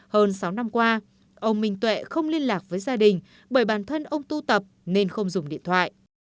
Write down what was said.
hơn sáu năm qua ông minh tuệ không liên lạc với gia đình bởi bản thân ông tu tập nên không dùng điện thoại